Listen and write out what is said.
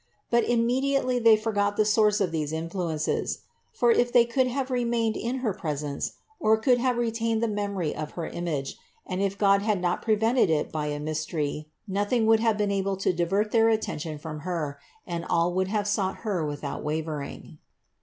But immediately they forgot the source of these influences; for if they could have remained in her pres ence, or could have retained the memory of her image, and if God had not prevented it by a mystery, nothing would have been able to divert their attention from Her and all would have sought Her without wavering.